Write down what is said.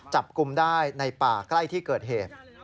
จับกลุ่มได้ในป่าใกล้ที่เกิดเหตุ